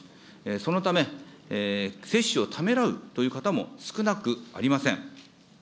そのため、接種をためらうという方も少なくありません。